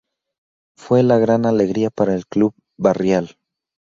Fue la gran alegría para el club barrial.